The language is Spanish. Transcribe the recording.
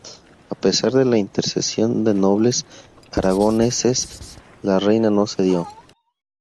A pesar de la intercesión de nobles aragoneses, la reina no cedió.